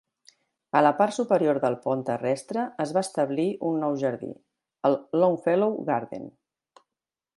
A la part superior del pont terrestre es va establir un nou jardí, el Longfellow Garden.